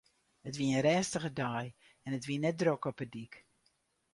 It wie in rêstige dei en it wie net drok op 'e dyk.